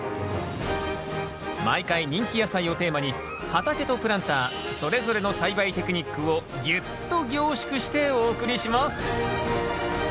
毎回人気野菜をテーマに畑とプランターそれぞれの栽培テクニックをぎゅっと凝縮してお送りします。